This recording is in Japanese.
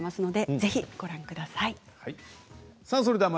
ぜひ、ご覧ください。